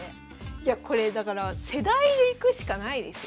いやこれだから世代でいくしかないですよ。